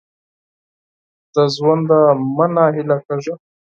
د ژونده مه نا هیله کېږه !